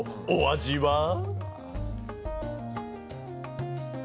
お味は？